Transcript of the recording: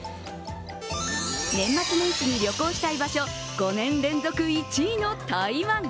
年末年始に旅行したい場所５年連続１位の台湾。